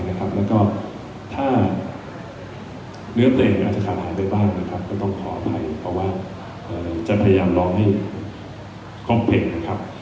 แล้วก็ถ้าเนื้อเพลงมันอาจจะขาดหายไปบ้างนะครับก็ต้องขออภัยเพราะว่าเราจะพยายามร้องให้ครอบเพ็งนะครับ